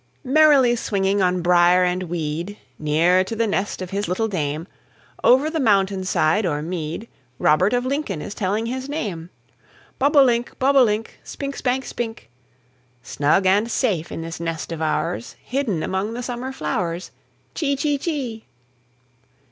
Merrily swinging on brier and weed, Near to the nest of his little dame, Over the mountain side or mead, Robert of Lincoln is telling his name. Bob o' link, bob o' link, Spink, spank, spink, Snug and safe is this nest of ours, Hidden among the summer flowers. Chee, chee, chee.